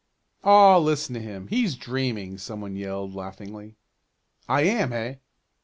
"Aw, listen to him! He's dreaming!" some one yelled, laughingly. "I am; eh?